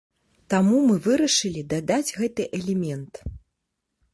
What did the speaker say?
Таму мы вырашылі дадаць гэты элемент.